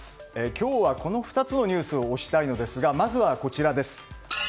今日はこの２つのニュースを推したいのですがまずはこちらです。